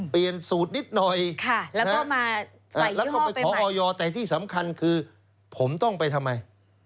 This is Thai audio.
เปลี่ยนสูตรนิดหน่อยแล้วก็มาแล้วก็ไปขอออยแต่ที่สำคัญคือผมต้องไปทำไม